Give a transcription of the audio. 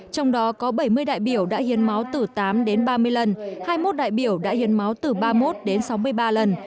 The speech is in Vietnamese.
trong đó có bảy mươi đại biểu đã hiến máu từ tám đến ba mươi lần hai mươi một đại biểu đã hiến máu từ ba mươi một đến sáu mươi ba lần